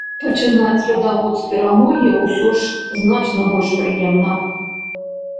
Пачынаць радавод з перамогі ўсё ж значна больш прыемна.